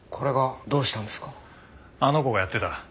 あの子がやってた。